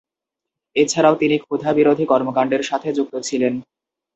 এছাড়াও, তিনি ক্ষুধা বিরোধী কর্মকাণ্ডের সাথে যুক্ত ছিলেন।